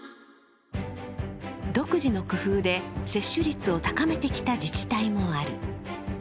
独自の工夫で接種率を高めてきた自治体もある。